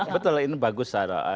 betul ini bagus